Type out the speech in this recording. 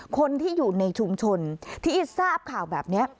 คนที่อยู่ในชุมชนที่ทราบข่าวแบบนี้